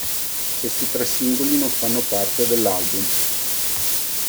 Questi tre singoli non fanno parte dell'album.